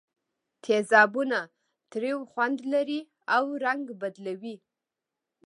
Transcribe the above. تیزابونه تریو خوند لري او رنګ بدلوي.